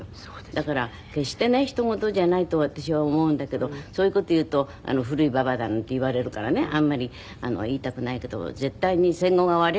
だから決してねひとごとじゃないと私は思うんだけどそういう事言うと古いばばあだなんて言われるからねあんまり言いたくないけど絶対に戦後が終わりゃ戦前なのよ。